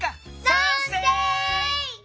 さんせい！